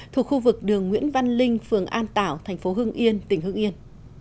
thuộc khu vực đường nguyễn văn linh phường an tảo thành phố hưng yên tỉnh hưng yên